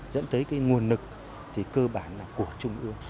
dẫn tới cái nguồn lực thì cơ bản là của trung ương